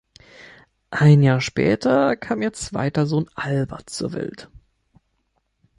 Ein Jahr später kam ihr zweiter Sohn Albert zur Welt.